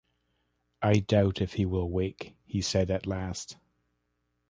“I doubt if he will wake,” he said at last.